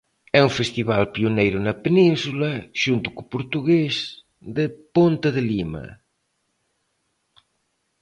É un festival pioneiro na Península, xunto co portugués de Ponte de Lima.